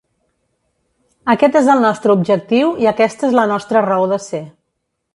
Aquest és el nostre objectiu i aquesta és la nostra raó de ser.